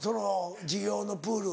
授業のプール。